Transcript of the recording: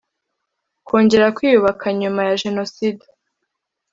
kongera kwiyubaka nyuma ya jenoside